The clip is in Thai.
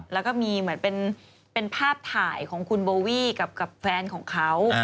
แล้วก็มีเหมือนเป็นภาพถ่ายของคุณโบวี่กับแฟนของเขา